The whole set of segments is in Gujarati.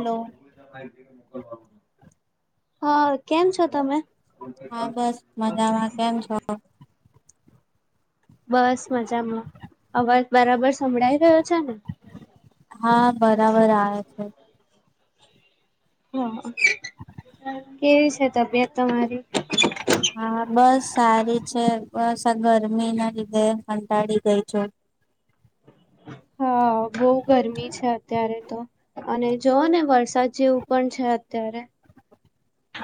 હેલો હા કેમ છો તમે? હા બસ મજામાં કેમ છો? બસ મજામાં અવાજ બરાબર સંભળાય ગયો છે ને? હા બરાબર આવે છે હા. કેવી છે તબિયત તમારી? હા બસ સારી છે બસ આ ગરમી ના લીધે કંટાળી ગઈ છું. હા બહુ ગરમી છે અત્યારે તો અને જોઓ ને વરસાદ જેવું પણ છે અત્યારે.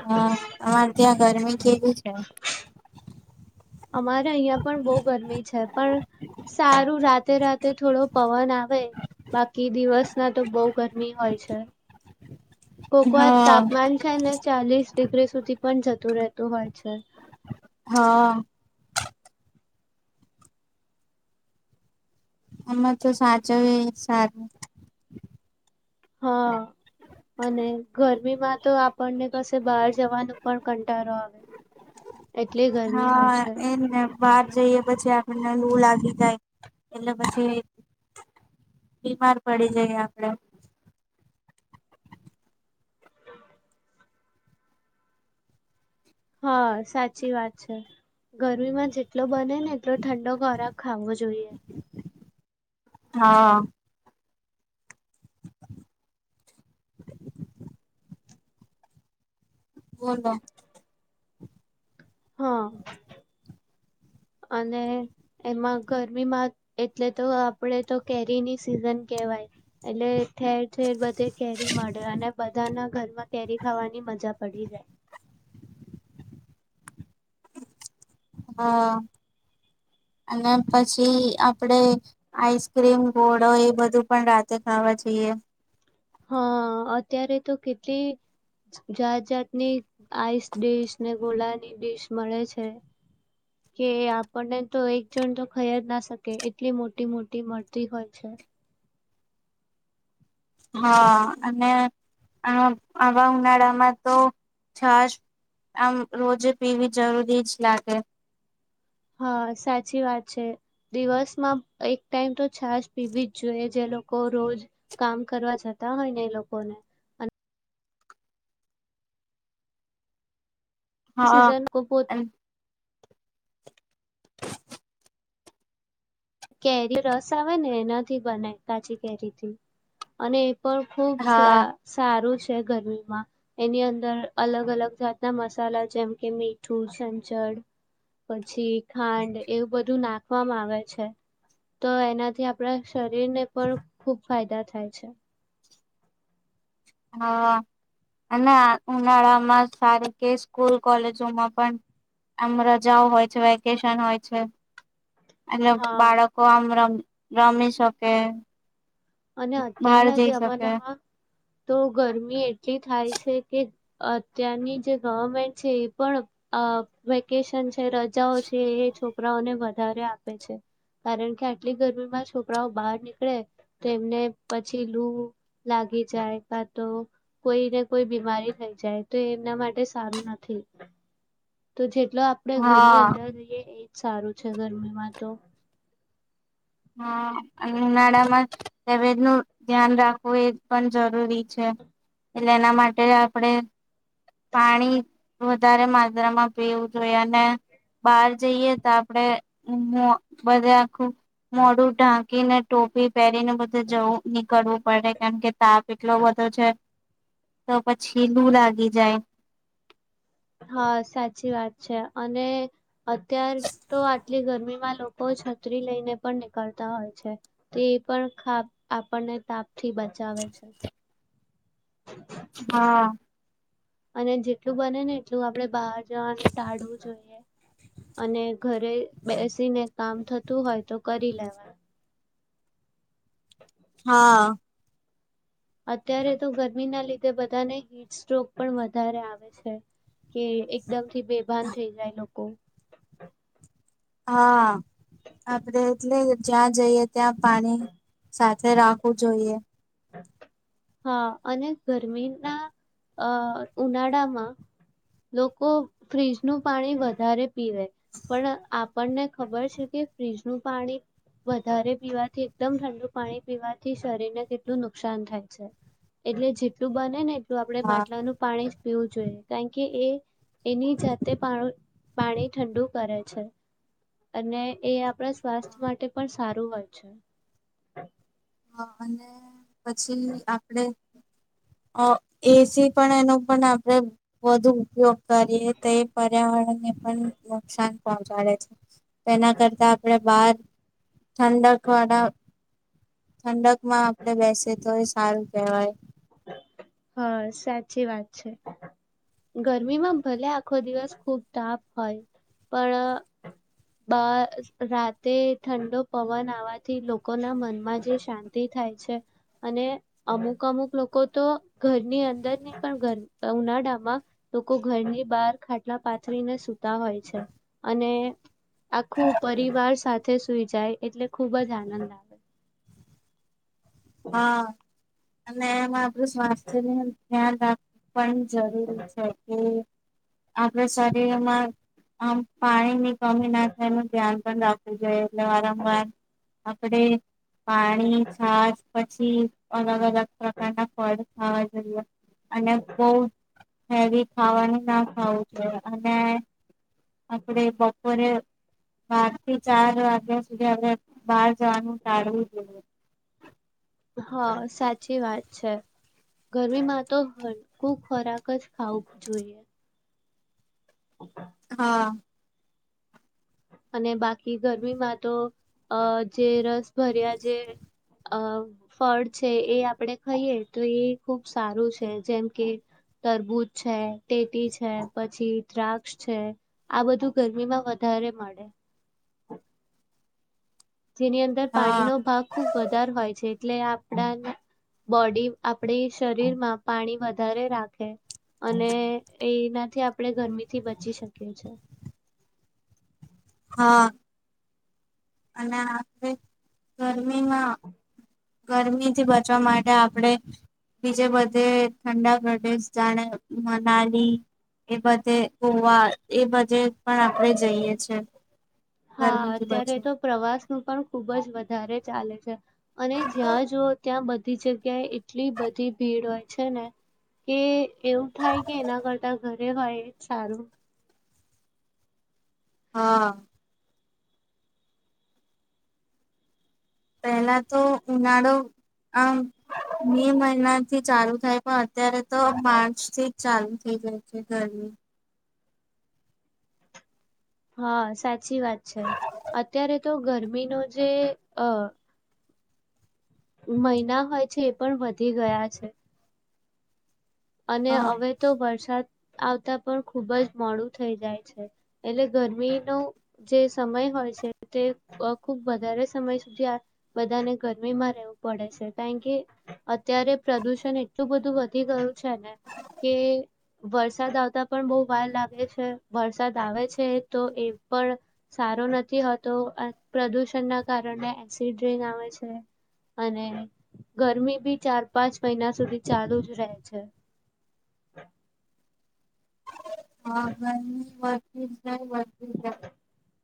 હા હા ત્યા ગરમી કેવી છે? અમારે અહિયાં પણ બહુ ગરમી છે પણ સારું રાતે રાતે થોડો પવન આવે બાકી દિવસ ના તો બહુ ગરમી હોય છે. કોકવાર હા તાપમાન છે ને? ચાલીસ ડિગ્રી સુધી પણ જતું રહેતું હોય છે. હા. આમાં તો સાચાવે સારું હા. અને ગરમીમાં તો આપણને કશે બહાર જવાનું પણ કંટળો આવે એટલે ગરમી હોય હા છે. એજ ને બહાર જઈએ પછી આપણને લું લાગી જાય એટલે પછી બીમાર પડી જાય આપણેે હા સાચી વાત છે ગરમીમાં જેટલો બને ને એટલો ઠંડો ખોરાક ખાવો જોઈએ. હા. બોલો. હા અને એમાં ગરમીમાં એટલે તો આપણેે તો કેરીની સિઝન કેહેવાય એટલે ઠેર ઠેર બધે કેરી મળે અને બધાના ઘરમાં કેરી ખાવાની મજા પડી જાય. હા અને પછી આપડે આઈસક્રીમ ગોળો એ બધું પણ રાતે ખાવા જઈએ. હા અત્યારે તો કેટલી જાત જાતની આઈસ ડીશ ને ગોલાની ડીશ મળે છે કે આપણને તો એક જણ તો ખાય જ ના શકે એટલી મોટી મોટી મળતી હોય છે. હા અને આ આવા ઉનાળામાં તો છાસ આમ રોજે પીવી જરૂરી જ લાગે. હા સાચી વાત છે દિવસમાં એક ટાઈમ તો છાશ પીવી જ જોઈએ જે લોકો રોજ કામ કરવા જતા હોય ને એ લોકોને. એ હા સીઝન કો બો કેરી રસ આવે ને એનાથી બનાય કાચી કેરીથી અને પણ ખુબ હા સારું છે. ગરમીમાં એની અંદર અલગ અલગ જાતના મસાલા જેમ કે મીઠું સંચડ પછી ખાંડ એવું બધું નાખવામાં આવે છે. તો એનાથી આપણા શરીરને પણ ખુબ ફાયદા થાય છે. હા અને ઉનાળામાં સારી કે સ્કૂલ કોલેજોમાં પણ આમ રજાઓ હોય છે વેકેશન હોય છે. અનેલે હા. બાળકો આમ રમ રમી શકે. અને બહાર અત્યારના જઈ શકે જમાનામાં તો ગરમી એટલી થાય છે કે અત્યારની જે ગવર્મેન્ટ છે એ પણ વેકેશન છે રજાઓ છે એ છોકરાઓને વધારે આપે છે કારણ કે આટલી ગરમીમાં છોકરાઓ બહાર નીકળે. તે મને પછી લૂ લાગી જાય કા તો કોઈને કોઈ બીમારી થઈ જાય તો એમના માટે સારું નથી તો જે એટલો આપણે ઘરની હા અંદર જઈએ એજ. સારું છે ગરમીમાં તો હા અને ઉનાળા માં તબિયતનું ધ્યાન રાખવું એ પણ જરૂરી છે એટલે એના માટે આપણેે પાણી વધારે માત્રામાં પીવું જોઈ અને બહાર જઈએ તો આપડે મોહ બધ રાખું મોડું ઢાંકીને ટોપી પહેરી ને બધે જવું નીકળવું પડે કેમકે તાપ એટલો બધો છે. તો પછી લું લાગી જાય. હા સાચી વાત છે અને અત્યાર તો આટલી ગરમીમાં લોકો ઓ છત્રી લઈને પણ નીકળતા હોય છે તે એ પણ ખાપ આપણને તાપથી બચાવે છે. હા. અને જેટલું બને ને એટલું આપણેે બહાર જવાનું ટાળવું જોઈએ અને ઘરે બેસીને કામ થતું હોય તો કરી લેવા. હા. અત્યારે તો ગરમી ના લીધે બધાને હીટ સ્ટ્રોક પણ વધારે આવે છે કે એકદમથી બેભાન થઈ જાય લોકો હા આપડે એટલે જ્યાં જઈએ ત્યાં પાણી સાથે રાખવું જોઈએ. હા અને ગરમીના અ ઉનાળામાં લોકો ફ્રીજનું પાણી વધારે પીવે પણ આપણને ખબર છે કે ફ્રીજનું પાણી વધારે પીવાથી એકદમ ઠંડુ પાણી પીવાથી શરીરને કેટલું નુકસાન થાય. એટલે જેટલું બને ને આપણે હા માટલાનું પાણી પીવું જોઈએ કારણ કે એ એની જાતે પાણી ઠંડુ કરે છે અને એ આપણા સ્વાસ્થ્ય માટે પણ સારું વાત છે. હા અને. પછી આપડે. અ એસી પણ એનો પણ આપડે વધુ ઉપયોગ કરીએ તે પર્યાવરણ ને પણ નુકસાન પહોંચાડે છે. એના કરતા આપડે. બાર ઠંડક વાડા. ઠંડક. માં આપડે બેસે તો હિશ. સારું કહેવાય. હા સાચી વાત છે, ગરમીમાં ભલે આખો દિવસ ખુબ તાપ હોય, પણ બ રાતે ઠંડો પવન આવવાથી લોકોના મનમાં જે શાંતિ થાય છે, અને અમુક અમુક લોકો લોકો તો ઘરની અંદર નહી પણ ઉનાળામાં, લોકો ઘરની બહાર ખાટલા પાથરીને સતા હોય છે, અને આખું પરિવાર સાથે સુઈ જાય એટલે ખુબ જ આનંદ આવે. હા. અને એમાં. [unintelligible] ધ્યાલ રાખ પણ જરૂરી છે કે. આપડ શરીરમાં આમ પાણી ની સ્વામીનાથયણ ધ્યાન પણ રાખવું જોઈએ. એટ વારા વાર કપડે પાણી છાસ પછી અલગ અલગ પ્રકાડ ફડ હા જર. અને બહ હેવી ખાવાનું ના ખાવું જોઈ અને આપ આપડે બપોરે બાર થી ચાર વાગ્યા હવે બહાર જવાનું ટાઢવું જોઈએ. હા સાચી વાત છે, ગરમીમાં તો હલકું ખોરાક જ ખાવું જોઈએ. [inaudible] હા. અને બાકી ગરમીમાં તો, આ જે રસભર્યા જે અ ફળ છે એ આપણેે ખાઈએ તો એ ખૂબ સારું છે જેમ કે, તરબૂચ છે, તેટી છે, પછી દ્રાક્ષ છે, આ બધું ગરમીમાં વધારે મળે. [inaudible] જેની અંદર હા પાણીનો ભાવ ખૂબ વધારે હોય છે. એટલે આપડા બોડી આપડી શરીરમાં પાણી વધારે રાખે, અને એનાથી આપણે ગરમીથી બચી શકીએ છે. હા. અને આપે ગરમીમાં ગરમીથી બચવા માટે આપણે, બીજે બધે ઠંડા પ્રદેશ જાણે મનાલી, એ બધે ગોવા એ બધે પણ આપણે જઈએ છે. હા ગરમીથી અત્યારે બચવા. તો પ્રવાસ નું પણ ખૂબ જ વધારે ચાલે છે. અને જ્યાં જુઓ ત્યાં બ બધી જગ્યાએ એટલી બધી ભીડ હોય છે ને કે એવું થાય કે એના કરતા ઘરે હોય એ સારું હા પહેલાતો ઉનાળો આમ મે મહિનાથી ચાલુ થાય પણ અત્યારે તો માર્ચ થી જ ચાલુ થઈ જાય છે ગરમી હા સાચી વાત છે અત્યારે તો ગરમીનો જે અ મહિના હોય છે એ પણ વધી ગયા છે. અને હા અવે તો વરસાદ આવતા પણ ખૂબ જ મોડું થઈ જાય છે એટલે ગરમીનો જે સમય હોય છે તે ખૂબ વધારે સમય સુધી આ બધાને ગરમીમાં રહેવું પડે છે કારણ કે અત્યારે પ્રદૂષણ એટલું બધું વધી ગયું છેને કે વરસાદ આવતા પણ બો વાર લાગે છે વરસાદ આવે છે તો એ પણ સારો નથી તો પ્રદુષણનાં કારણે એસિડ ર્રેન આવે છે અને ગરમી બી ચાર પાંચ મહિના સુધી ચાલુ જ રહે છે. [inaudible] હ કયની પણ [unintelligible]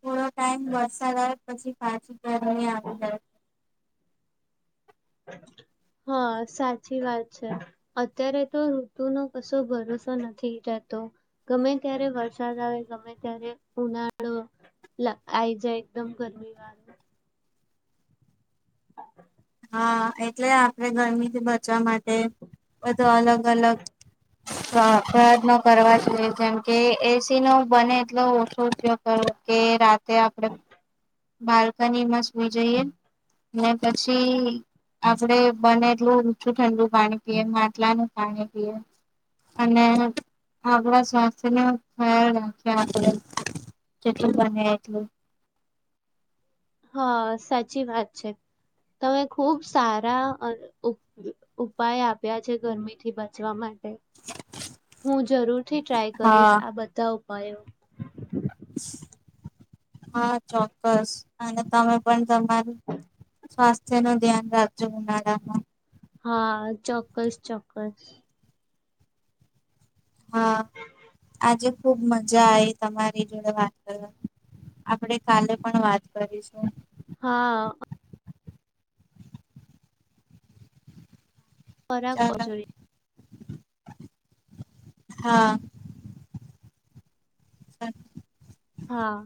થોડો ટાઈમ વરસાદ આવે પછી પાછું [unintelligible] આવી જાય. હા સાચી વાત છે અત્યારે તો ઋતુનો કશો ભરોસો નથી રહેતો ગમે ત્યારે વરસાદ આવે ગમે ત્યારે ઉનાળો આઈ જાય એકદમ ગરમીવાળું હા એટલે આપડે ગરમીથી બચવા માટે બધું અલગ અલગ ન કરવા જોઈએ જેમ કે એસીનો બને એટલો ઓછો ઉપયોગ કરો કે રા તે આપડે બાલ્કની મસ હોવી જોઈએ. ને પછી આપડે બને ઓછું ઠંડું પાણી પીએ માટલાનું પાણી પીએ અને આપણા સ્વાસ્થ્યને ખ્યાલ રાખીએ આપણે જેટલું બંને એટલું હા સાચી વાત છે તમે ખૂબ સારા ઉ ઉપાય આપ્યા છે ગરમીથી બચવા માટે હું જરૂરથી ટ્રાય કરીશ હા આ બધાં ઉપાયો હા ચોક્કસ અને તમે પણ તમારું સ્વાસ્થ્ય નું ધ્યાન રાખજો ઉનાળામાં હા ચોક્કસ ચોક્કસ હા આજે ખુબ મજા આવી તમારી જોડે વાત કર આપણેે કાલે પણ વાત કરીશું હા ચાલો [unintelligible] હા [inaudible] હા